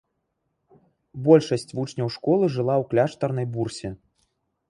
Большасць вучняў школы жыла ў кляштарнай бурсе.